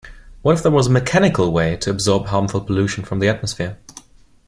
What if there was a mechanical way to absorb harmful pollution from the atmosphere?